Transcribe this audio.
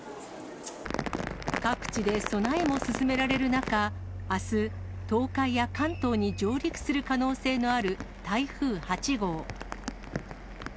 各地で備えも進められる中、あす、東海や関東に上陸する可能性のある台風８号。